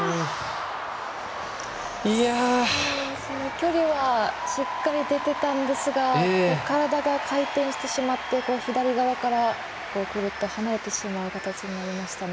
距離はしっかり出てたんですが体が回転してしまって左側から、くるっと離れてしまう形になりましたね。